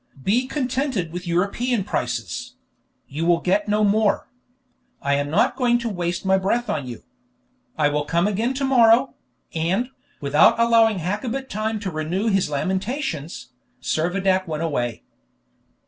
Be contented with European prices; you will get no more. I am not going to waste my breath on you. I will come again to morrow;" and, without allowing Hakkabut time to renew his lamentations, Servadac went away.